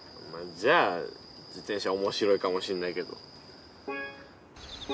じゃあ自転車面白いかもしんないけど。